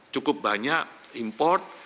cukup banyak import